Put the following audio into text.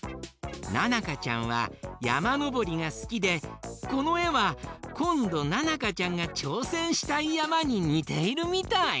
ななかちゃんはやまのぼりがすきでこのえはこんどななかちゃんがちょうせんしたいやまににているみたい！